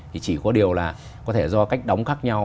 thì chỉ có điều là có thể do cách đóng khác nhau